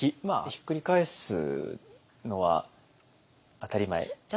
まあひっくり返すのは当たり前。